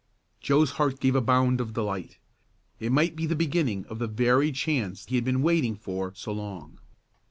Joe's heart gave a bound of delight. It might be the beginning of the very chance he had been waiting for so long.